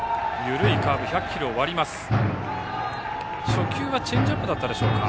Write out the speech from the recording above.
初球はチェンジアップだったでしょうか。